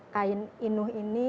kain inuh ini